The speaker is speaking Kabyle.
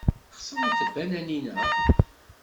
Xeṣrent tbananin-a.